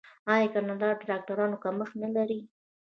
آیا کاناډا د ډاکټرانو کمښت نلري؟